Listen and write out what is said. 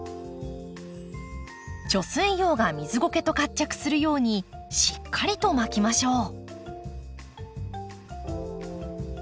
貯水葉が水ごけと活着するようにしっかりと巻きましょう。